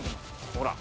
ほら。